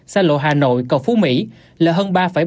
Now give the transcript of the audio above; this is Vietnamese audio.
sa lộ hà nội cầu phú mỹ là hơn